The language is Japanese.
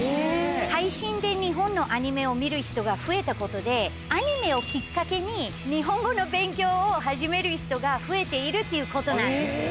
配信で日本のアニメを見る人が増えたことで、アニメをきっかけに日本語の勉強を始める人が増えているっていうことなんです。